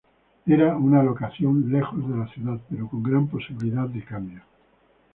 Era una locación lejos de la ciudad, pero con gran posibilidad de cambio.